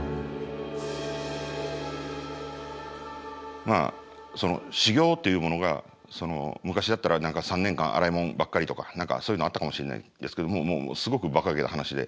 まあ修業というものが昔だったら３年間洗い物ばっかりとか何かそういうのあったかもしれないですけどももうもうすごくばかげた話で。